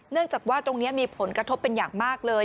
เนื่องจากว่าตรงนี้มีผลกระทบเป็นอย่างมากเลย